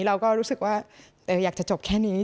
เราก็รู้สึกว่าอยากจะจบแค่นี้